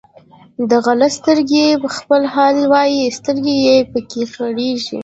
د غله سترګې په خپله حال وایي، سترګې یې پکې غړېږي.